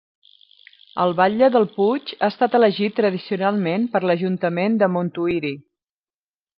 El batle del Puig ha estat elegit tradicionalment per l'Ajuntament de Montuïri.